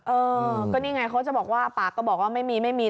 เออก็นี่ไงเขาจะบอกว่าปากก็บอกว่าไม่มีไม่มี